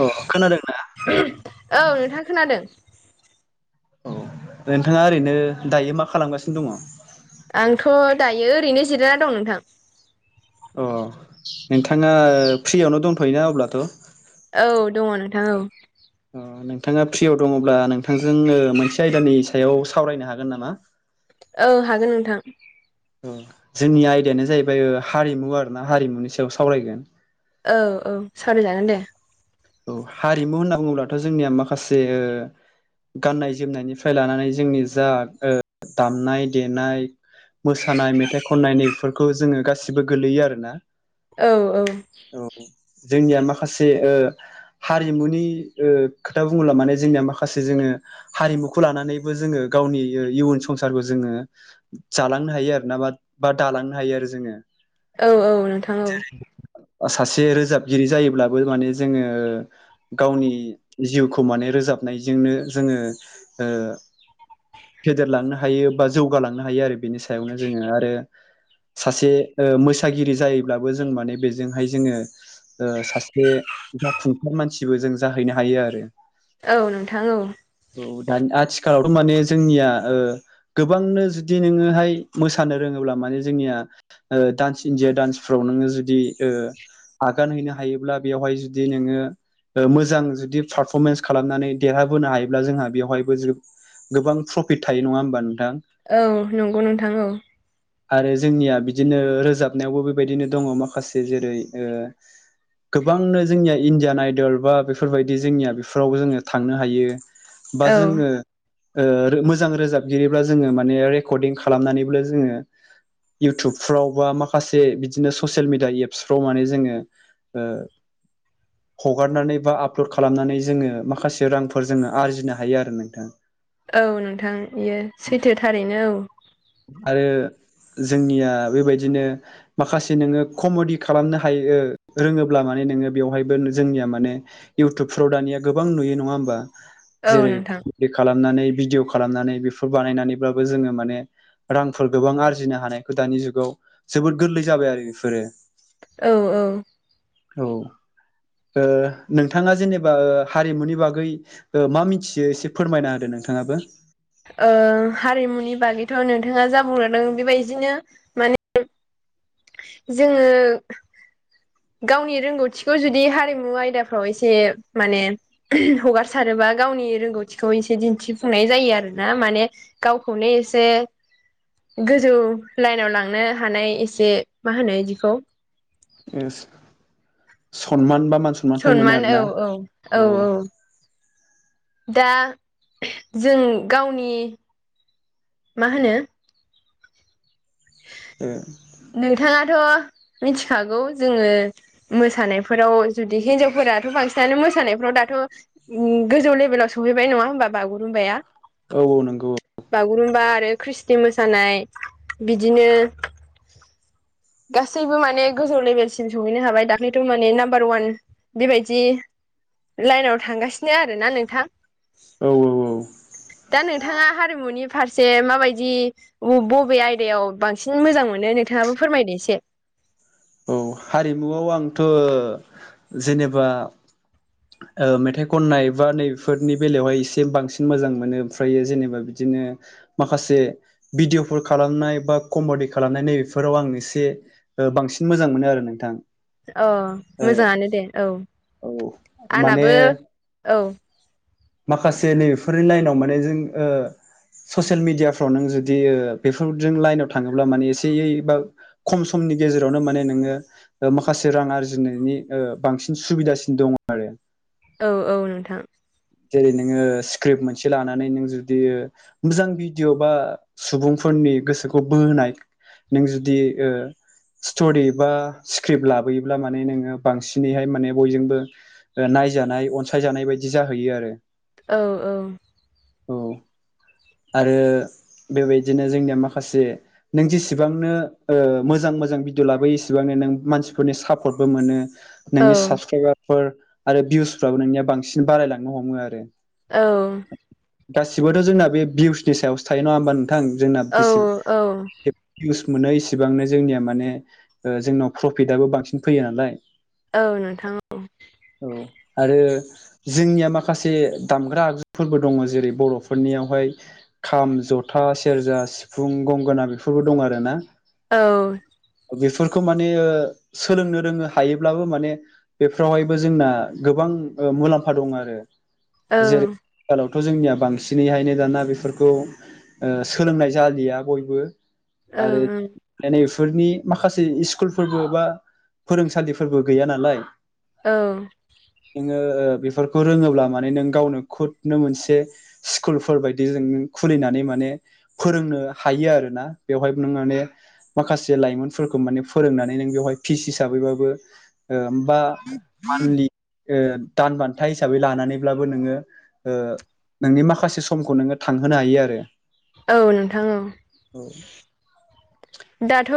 अ खोनादों ना औ नोंथां खोनादों औ नोंथाङा ओरैनो दायो मा खालामगासिनो दङ आंथ' दायो ओरैनो जिरायनानै दं नोंथां अ नोंथाङा फ्रियावनो दंथ'योना अब्लाथ' औ दङ नोंथां औ नोंथाङा फ्रियाव दङब्ला नोंथांजों मोनसे आयदानि सायाव सावरायनो हागोन नामा औ हागोन नोंथां औ जोंनि आयदायानो जाहैबाय हारिमु आरोना हारिमुनि सायाव सावरायगोन औ औ सावराय जागोन दे औ हारिमु होनना बुङोब्लाथ' जोंनिया माखासे गाननाय जोमनायनिफ्राय लानानै जोंनि जा दामनाय देनाय मोसानाय मेथाइ खननाय नैफोरखौ जोङो गासिबो गोलैयो आरोना औ औ औ जोंनिया माखासे हारिमुनि खोथा बुङोब्ला माने जोंनिया माखासे जोङो हारिमुखौ लानानैबो जोङो गावनि इयुन संसारखौ जोङो जालांनो हायो आरोना बा दालांनो हायो आरो जोङो औ औ नोंथां औ सासे रोजाबगिरि जायोब्लाबो माने जोङो गावनि जिउखौ माने रोजाबनायजोंनो जोङो फेदेरलांनो हायो बा जौगालांनो हायो आरो बेनि सायावनो जोङो आरो सासे मोसागिरि जायोब्लाबो जों माने बेजोंहाय जोङो सासे जाफुंसार मानसिबो जों जाहैनो हायो आरो औ नोंथां औ औ दानि आथिखालावथ' माने जोंनिया गोबांनो जुदि नोङोहाय मोसानो रोङोब्ला माने जोंनिया डान्स इण्डिया डान्सफ्राव नोङो जुदि आगान हैनो हायोब्ला बेवहाय जुदि बिदि नोङो मोजां जुदि पारफरमेन्स खालामनानै देरहाबोनो हायोब्ला जोंहा बेवहायबो गोबां प्रफिट थायो नङा होमबा नोंथां औ नंगौ नोंथां औ [inaudible] आरो जोंनिया बिदिनो रोजाबनायावबो बेबायदिनो दङ माखासे जेरै गोबांनो जोंनिया इण्डियान आइदल बा बेफोरबायदि जोंनिया बेफोराव जोङो थांनो हायो बा औ जोङो मोजां रोजाबगिरिब्ला जोङो माने रेकर्डिं खालामनानैबो जोङो इउटुबफ्राव बा माखासे बिदिनो ससियेल मिडिया एप्सफ्राव माने जोङो हगारनानै बा आपलड खालामनानै जोङो माखासे रांफोर जोङो आरजिनो हायो आरो नोंथां औ नोंथां बेयो सैथो थारैनो औ आरो जोंनिया बेबायदिनो माखासे नोङो कमेडि खालामनो हायो रोङोब्ला माने नोङो बेवहायबो जोंनिया माने इयउटुबफ्राव दानिया गोबां नुयो नङा होमबा औ औ जेरै नोंथां कमेडि खालामनानै भिडिअ' खालामनानै बेफोर बानायनानैब्लाबो जोङो माने रांफोर गोबां आरजिनो हानायखौ दानि जुगाव जोबोद गोरलै जाबाय आरो बेफोरो औ औ औ नोंथाङा जेनेबा हारिमुनि बागै मा मिथियो एसे फोरमायना होदो नोंथाङाबो हारिमुनि बागैथ' नोंथाङा जा बुंलांदों बेबायदिनो माने जोङो गावनि रोंगौथिखौ जुदि हारिमु आयदाफ्राव एसे माने हगारसारोबा गावनि रोंगौथिखौ एसे दिन्थिफुंनाय जायो आरो ना माने गावखौनो एसे गोजौ लाइनाव लांनो हानाय एसे मा होनो बिखौ सनमान बा मानसि सनमान औ औ औ औ दा जों गावनि मा होनो [inaudible] ए नोंथाङाथ' मिथिखागौ जोङो मोसानायफोराव जुदि हिनजावफोराथ' बांसिनानो मोसानायफोराव दाथ' उ गोजौ लेभेलाव सहैबाय नङा होमबा बागुरुमबाया औ औ नंगौ औ बागुरुम्बा आरो ख्रिस्टि मोसानाय बिदिनो गासैबो माने गोजौ लेभेलसिम सहैनो हाबाय दाख्लैथ' माने नाम्बार ववान बेबायदि लाइनाव थांगासिनो आरोना नोंथां अ दा नोंथाङा हारिमुनि फारसे माबायदि बबे आयदायाव बांसिन मोजां मोनो नोंथाङाबो फोरमायदो एसे औ हारिमुआव आंथ' जेनेबा मेथाइ खननाय बा नैबेफोरनि बेलायावहाय एसे बांसिन मोजां मोनो ओमफ्रायो जेनेबा बिदिनो माखासे भिडिअ'फोर खालामनाय बा कमेडि खालामनाय नैबेफोराव आं एसे बांसिन मोजां मोनो आरो नोंथां अ ओ मोजाङानो दे औ औ माने आंनाबो औ माखासे नैबेफोरनि लाइनाव माने जों ससियेल मिडियाफ्राव नों जुदि बेफोरजों लाइनाव थाङोब्ला माने एसेयै बा खम समनि गेजेरावनो माने नोङो माखासे रां आरजिनायनि बांसिन सुबिदासिन दङ आरो औ औ नोंथां जेरै नोङो स्क्रिप्ट मोनसे लानानै नों जुदि मोजां भिडिय' बा सुबुंफोरनि गोसोखौ बोनाय नों जुदि स्टरि बा स्क्रिप्ट लाबोयोब्ला माने नोङो बांसिनैहाय माने बयजोंबो नायजानाय अनसायजानाय बायदि जाहैयो आरो औ औ औ आरो बेबायदिनो जोंनिया माखासे नों जेसेबांनो मोजां मोजां भिडिअ लाबोयो एसेबांनो नों मानसिफोरनि सापर्टबो मोनो औ नोंनि साबसक्राइबारफोर आरो भिउसफ्राबो नोंनिया बांसिन बारायलांनो हमो आरो औ गासिबोथ' जोंना बे भिउसनि सायावसो थायो नङा होमबा नोंथां जोंना औ बेसे औ भिउस मोनो इसिबांनो जोंनिया माने जोंनाव प्रफिटआबो बांसिन फैयो नालाय औ नोंथां औ औ आरो जोंनिया माखासे दामग्रा आगजुफोरबो दङ जेरै बर'फोरनियावहाय खाम जथा सेरजा सिफुं गंगोना बेफोरबो दं आरोना औ बेफोरखौ माने सोलोंनो रोंनो हायोब्लाबो माने बेफ्रावहायबो जोंना गोबां मुलाम्फा दं आरो औ जेरै ओं आथिखालावथ' जोंनिया बांसिनैहायनो दाना बे बेफोरखौ सोलोंनाय जालिया बयबो ओं आरो नैफोरनि माखासे स्कुलफोरबो बा फोरोंसालिफोरबो गैया नालाय औ नोङो बेफोरखौ रोङोब्ला माने नों गावनो खुदनो मोनसे स्कुलफोर बायदि बि जों खुलिनानै माने फोरोंनो हायो आरो ना बेवहाय नों माने माखासे लाइमोनफोरखौ माने फोरोंनानै नों बेवहाय फिस हिसाबैबाबो होमबा मानलि दान बान्था हिसाबै लानानैब्लाबो नोङो नोंनि माखासे समखौ नोङो थांहोनो हायो आरो औ नोंथां औ औ दाथ'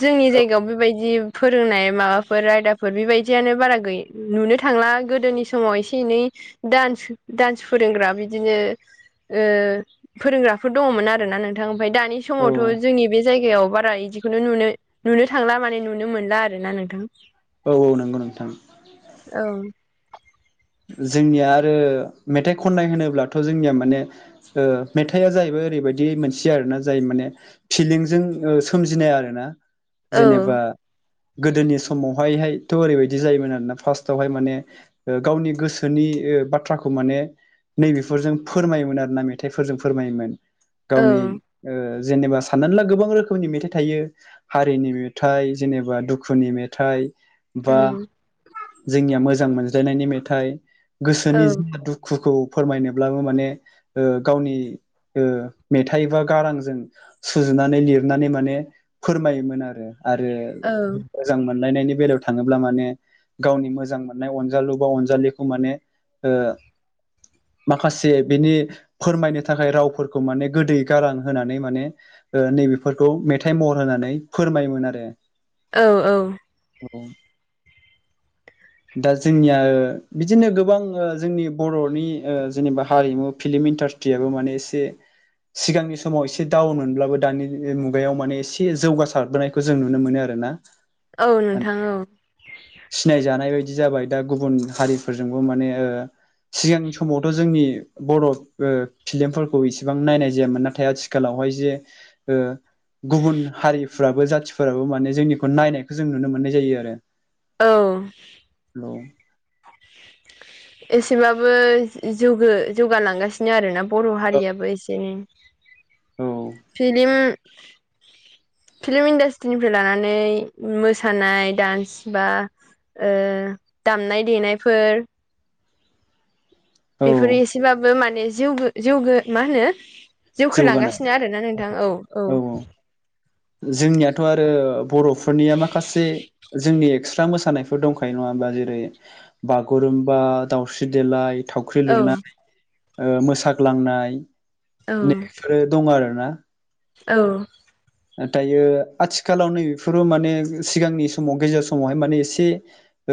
जोंनि जायगायाव बेबायदि फोरोंनाय माबाफोर आयदाफोर बेबायदियानो बारा गै नुनो थांला गोदोनि समाव एसे एनै दान्स दान्स फोरोंग्रा बिदिनो फोरोंग्राफोर दङमोन आरोना नों नोंथां ओमफ्राय दानि औ समावथ' जोंनि बे जायगायाव बारा बिदिखौनोु नुनो थांला माने नुनो मोनला आरोना नोंथां औ औ नंगौ नोंथां औ जोंनिया आरो मेथाइ खननाय होनोब्लाथ' जोंनिया माने ओ मेथाइआ जाहैबाय ओरैबायदि मोनसेयो आरोना जाय माने फिलिंजों ओ सोमजिनाय आरोना औ जेनेबा गोदोनि समावहायहायथ' ओरैबायदि जायोमोन आरोना फार्स्टावहाय ओ माने गावनि गोसोनि बाथ्राखौ माने नैबेफोरजों फोरमायोमोन आरोना मेथाइफोरजों फोरमायोमोन औ गावनि ओ जेनेबा साननानै ला गोबां रोखोमनि मेथाइ थायो। हारिनि मेथाइ जेनेबा दुखुनि मेथाइ बा उम जोंनिया मोजां मोनज्लायनायनि मेथाइ औ गोसोनि जा दुखु दुखुखौ फोरमायनोब्लाबो माने ओ गावनि ओ मेथाइ बा गारांजों सुजुनानै लिरनानै माने फोरमायोमोन आरो आरो औ मोजां मोनलायनायनि बेलायाव थाङोब्ला माने गावनि मोजां मोननाय अनजालु बा अ अनजालिखौ माने ओ माखासे बिनि फोरमायनो थाखाय रावफोरखौ माने गोदै गारां होनानै माने नैबेफोरखौ मेथाइ महर होननानै फोरमायोमोन आरो। औ औ दा जोंनिया ओ बिदिनो गोबां ओ जोंनि बर'नि ओ जेनेबा हारिमु फिल्म इन्डास्ट्रियाबो माने एसे सिगांनि समाव एसे दाउन मोनब्लाबो दानि मुगायाव माने एसे जौगासारबोनाय खौ जों नुनो मोनो आरोना औ माने नोंथां औ सिनायजानाय बायदि जाबाय दा गुबुन हारिफोरजोंबो माने ओ सिगांनि समावथ' जोंनि बर' ओ फिल्मफोरखौ इसिबां नायनाय जायामोन नाथाय आथिख आथिखालावहाय जे ओ गुबुन हारिफ्राबो जाथिफोराबो माने जोंनिखौ नायनायखौ जों नुनो मोननाय जायो आरो। औ हेल' [inaudible] एसेबाबो जौ-जौगालांगासिनो आरो ना बर' औ हारियाबो एसेनो औ फिलिम फिल्म इन्डास्ट्रिनिफ्राय लानानै मोसानाय डान्स बा ओ दामनाय देनायफोर औ बेफोरो एसेबाबो माने जिउ गो जिउ मा होनो जौगानाय जौखोलांगासिनो आरोना नोंथां औ औ जोंनियाथ' आरो बर'फोरनिया माखासे जोंनि एक्सट्रा मोसानायफोर दंखायो नङाबा जेरै बागुरुमबा दाउस्रि देलाय थावख्रि औ लुनाय ओ औ मोसाग्लांनायफोर दङ आरोना औ दायो आथिखालाव नैबेफोरो माने सिगांनि समाव गेजेर समावहाय माने एसे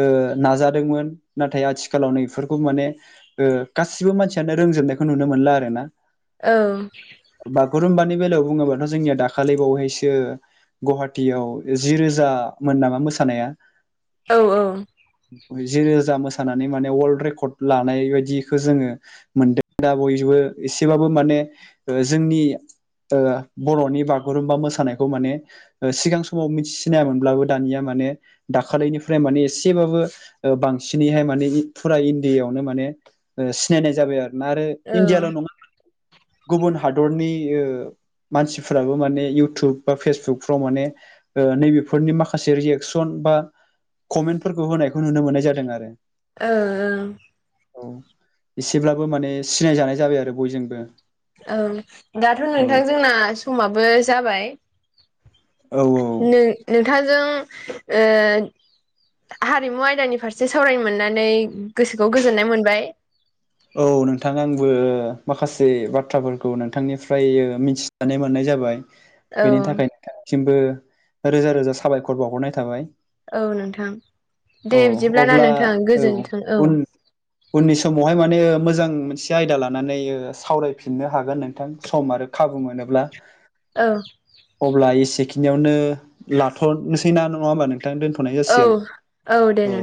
ओ नाजादोंमोन नाथाय आथिखालावनो बेफोरखौ माने ओ गासिबो मानसियानो रोंजोबनायखौ नुनो मोनला आरो ना औ बागुरुमबानि बेलायाव बुङोब्लाथ' जोंनिया दाखा खालि बावहैसो गुहाटीयाव ज रोजामोन नामा मोसानाया? औ औ जिरोजा मोसानानै माने वर्ल्ड रेकर्ड लानाय बायदिखौ जोङो मोनदों दा बयबो एसेबाबो माने जोंनि बर'नि बागुरुम्बा मोसानायखौ माने सिगां समाव मिथि सिनामोनब्लाबो दानिया माने दाखालिनिफ्राय माने एसेबाबो बांसिनैहाय माने फुरा इण्डियायावनो माने सिनायनाय जाबाय आरोना आरो औ इण्डियााल' नङा गुबुन हादरनि मानसिफोराबो इउटुब बा फेसबुकफ्राव माने नै बेफोरनि माखासे रिएकसन बा कमेन्टफोरखौ होनायखौ नुनो मोननाय जादों आरो ओं औ एसेब्लाबो माने सिनायजानाय जाबाय आरो बयजोंबो औ दाथ' औ नोंथां जोंना समाबो जाबाय औ औ नों नोंथांजों हारिमु आयदानि फारसे सावरायनो मोननानै गोसोखौ गोजोननाय मोनबाय औ नोंथां आंबो माखासे बाथ्राफोरखौ नोंथांनिफ्राय मिथि नानै मोननाय जाबाय औ बेनि थाखाय नोंथांनिसिमबो रोजा रोजा साबायखर बावहरनाय थाबाय औ नोंथां औ दे बिदिब्लाना अब्ला नोंथां औ गोजोनथों औ उन उननि समावहाय मा माने मोजां मोनसे आयदा लानानै ओ सावरायफिननो हागोन नोंथां सम आरो खाबु मोनोब्ला [inaudible] औ अब्ला एसेखिनियावनो लाथ'नोसैना नङा होमबा नों थां दोनथ'नाय औ जासिगोन औ